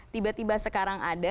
tiba tiba sekarang ada